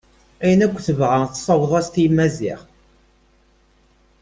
Ayen akk tebɣa tessaweḍ-as-t i Maziɣ.